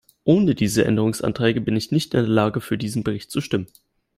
Ohne diese Änderungsanträge bin ich nicht in der Lage, für diesen Bericht zu stimmen.